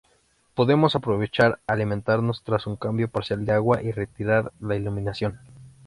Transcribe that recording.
Podemos aprovechar a alimentarlos tras un cambio parcial de agua y retirar la iluminación.